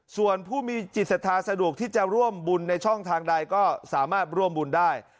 ส่วนผู้มีจิตศรัทธาสะดวกที่จะร่วมบุญในช่องทางใดก็สามารถร่วมบุญได้